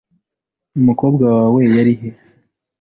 Umukobwa wawe yari he?